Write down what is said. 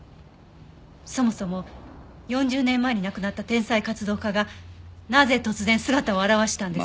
そもそも４０年前に亡くなった天才活動家がなぜ突然姿を現したんです？